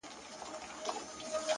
زه يم دا مه وايه چي تا وړي څوك”